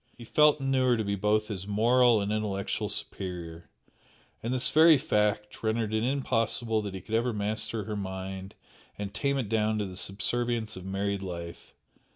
He felt and knew her to be both his moral and intellectual superior, and this very fact rendered it impossible that he could ever master her mind and tame it down to the subservience of married life.